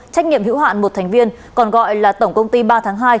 trách nhiệm hữu hạn một thành viên còn gọi là tổng công ty ba tháng hai